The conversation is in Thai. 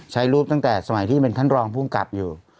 ใช้รูปตั้งแต่สมัยที่เป็นท่านรองภูมิกับอยู่